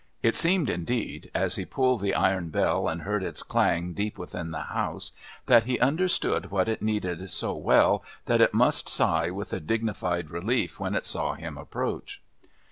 It seemed, indeed, as he pulled the iron bell and heard its clang deep within the house, that he understood what it needed so well that it must sigh with a dignified relief when it saw him approach.